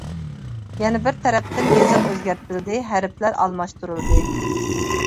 يەنە بىر تەرەپتىن يېزىق ئۆزگەرتىلدى، ھەرپلەر ئالماشتۇرۇلدى.